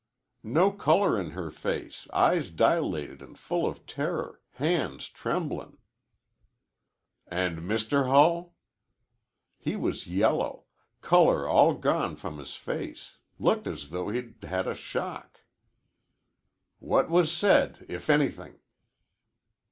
"No color in her face, eyes dilated an' full of terror, hands tremblin'." "And Mr. Hull?" "He was yellow. Color all gone from his face. Looked as though he'd had a shock." "What was said, if anything?"